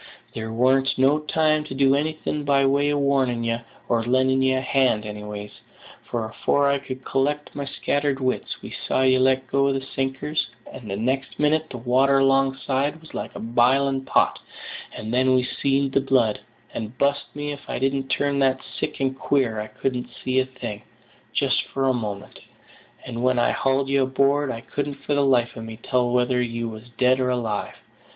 There warn't no time to do anything by way of warning ye, or lending ye a hand anyways; for, afore I could collect my scattered wits, we saw ye let go the sinker, and next minute the water alongside was like a biling pot; and then we seed the blood, and bust me if I didn't turn that sick and queer I couldn't see a thing, just for a moment; and when I hauled ye aboard, I couldn't for the life of me tell whether you was dead or alive.